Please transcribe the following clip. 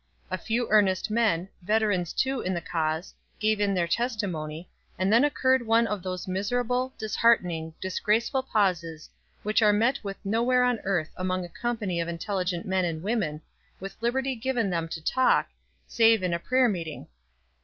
A few earnest men, veterans too in the cause, gave in their testimony and then occurred one of those miserable, disheartening, disgraceful pauses which are met with nowhere on earth among a company of intelligent men and women, with liberty given them to talk, save in a prayer meeting!